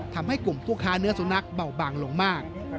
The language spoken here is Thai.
ทำให้กลุ่มผู้ค้าเนื้อสุนัขเบาบางลงมาก